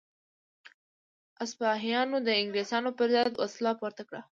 سپاهیانو د انګلیسانو پر ضد وسله پورته کړه.